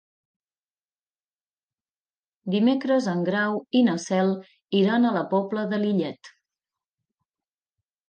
Dimecres en Grau i na Cel iran a la Pobla de Lillet.